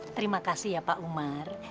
terima kasih ya pak umar